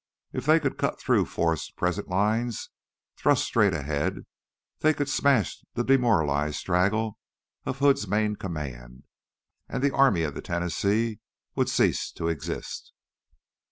If they could cut through Forrest's present lines, thrust straight ahead, they could smash the demoralized straggle of Hood's main command, and the Army of the Tennessee would cease to exist.